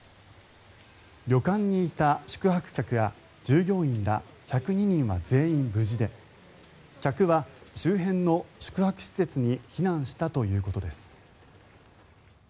旅館にいた宿泊客や従業員ら１０２人は全員無事で客は周辺の宿泊施設に避難したということです。